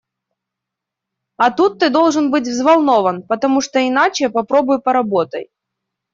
А тут ты должен быть взволнован, потому что иначе попробуй, поработай.